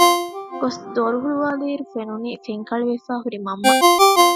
ގޮސް ދޮރު ހުޅުވައިލީއިރު ފެނުނީ ފެންކަޅިވެފައި ހުރި މަންމަ